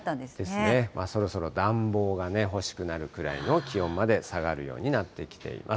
ですね、そろそろ暖房が欲しくなるくらいの気温まで下がるようになってきています。